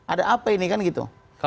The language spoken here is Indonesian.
ada apa ini kan gitu